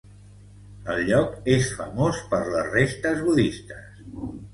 El lloc és famós per les restes budistes.